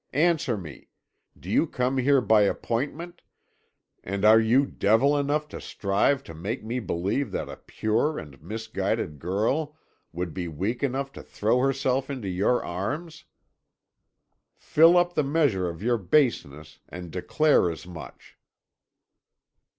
Answer me do you come here by appointment, and are you devil enough to strive to make me believe that a pure and misguided girl would be weak enough to throw herself into your arms? Fill up the measure of your baseness, and declare as much.'